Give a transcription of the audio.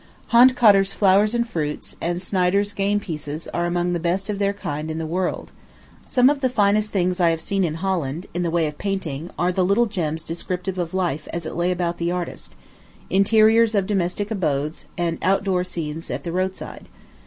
Hondekoeter's flowers and fruits, and Snyder's game pieces, are among the best of their kind in the world. Some of the finest things I have seen in Holland, in the way of painting, are the little gems descriptive of life as it lay about the artist interiors of domestic abodes, and out door scenes at the roadside.